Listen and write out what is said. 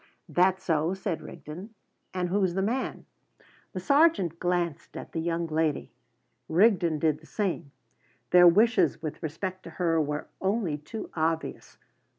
"That so?" said Rigden. "And who's the man?" The sergeant glanced at the young lady. Rigden did the same. Their wishes with respect to her were only too obvious.